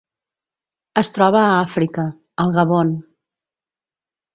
Es troba a Àfrica: el Gabon.